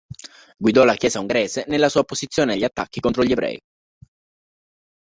Guidò la Chiesa ungherese nella sua opposizione agli attacchi contro gli ebrei.